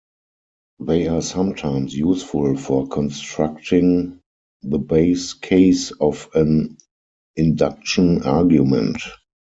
They are sometimes useful for constructing the base case of an induction argument.